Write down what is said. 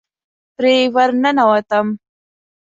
پرې ورننوتم.